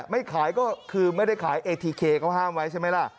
ไม่ขายก็คือไม่ได้ขายเอทีเคเขาห้ามไว้ใช่ไหมล่ะ